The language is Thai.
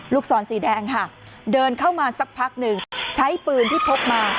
ศรสีแดงค่ะเดินเข้ามาสักพักหนึ่งใช้ปืนที่พกมา